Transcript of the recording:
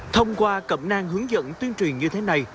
thông qua cậm nang hướng dẫn tuyên truyền như thế này